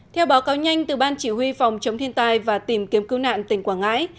theo báo cáo nhanh từ ban chỉ huy phòng chống thiên tai và tìm kiếm cứu nạn tỉnh quảng ngãi